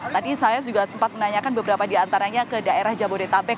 tadi saya juga sempat menanyakan beberapa di antaranya ke daerah jabodetabek